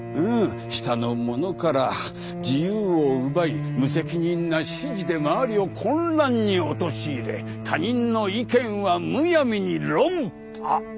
下の者から自由を奪い無責任な指示で周りを混乱に陥れ他人の意見はむやみに論破。